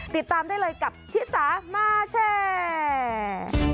ติดตามได้เลยกับชิสามาแชร์